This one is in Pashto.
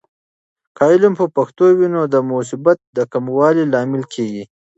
که علم په پښتو وي، نو د مصیبت د کموالي لامل کیږي.